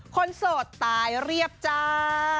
โสดตายเรียบจ้า